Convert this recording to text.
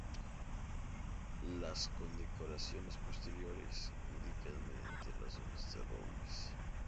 Las condecoraciones posteriores indican mediante hojas de roble.